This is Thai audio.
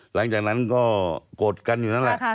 หลังจากนั้นก็กดกันอยู่นั่นแหละ